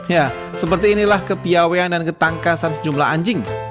ya seperti inilah kepiawean dan ketangkasan sejumlah anjing